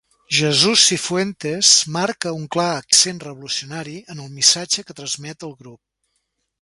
Jesús Cifuentes marca un clar accent revolucionari en el missatge que transmet el grup.